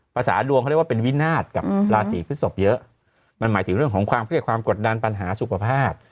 ภาษาดวงเขาเรียกว่าเป็นวินาศกับราศีพฤศพเยอะมันหมายถึงเรื่องของความเครียดความกดดันปัญหาสุขภาพ